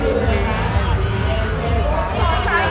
พี่ดอยครับ